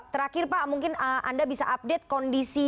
terakhir pak mungkin anda bisa update kondisi